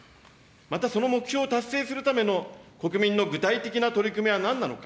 またその目標を達成するための国民の具体的な取り組みはなんなのか。